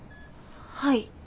はい。